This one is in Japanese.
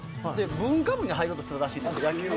文化部に入ろうとしていたらしいんですけど。